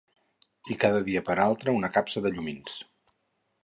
...i cada dia per altre una capsa de llumins